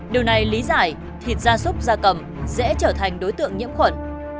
điều này lý giải thịt da súc da cầm sẽ trở thành đối tượng nhiễm khuẩn